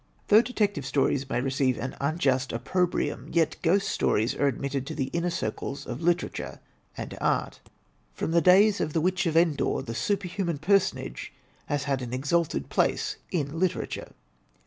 Though detective stories may receive an unjust oppro brium, yet ghost stories are admitted to the inner circles of literature and art. GHOST STORIES 2^ From the days of the Witch of Endor, the superhuman personage has had an exalted place in literature.